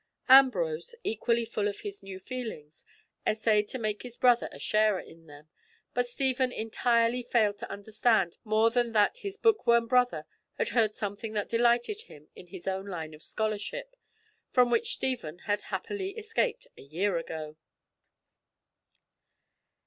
Ambrose, equally full of his new feelings, essayed to make his brother a sharer in them, but Stephen entirely failed to understand more than that his book worm brother had heard something that delighted him in his own line of scholarship, from which Stephen had happily escaped a year ago!